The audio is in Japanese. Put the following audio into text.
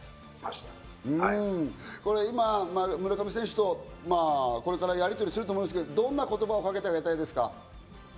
今、村上選手とこれからやりとりすると思うんですけど、どんな言葉をかけてあげたいですか？